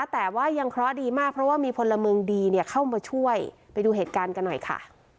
แต่ว่ายังเคราะห์ดีมากเพราะว่ามีพลเมืองดีเข้ามาช่วยไปดูเหตุการณ์กันหน่อยค่ะ